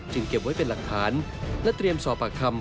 เก็บไว้เป็นหลักฐานและเตรียมสอบปากคำ